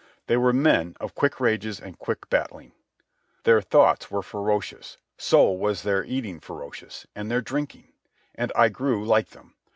They were men of quick rages and quick battling. Their thoughts were ferocious; so was their eating ferocious, and their drinking. And I grew like them.